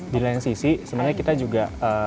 di lain sisi sebenarnya kita juga